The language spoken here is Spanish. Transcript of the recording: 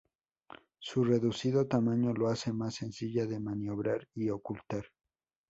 Su reducido tamaño la hace más sencilla de maniobrar y ocultar.